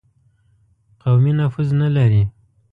قومي نفوذ نه لري.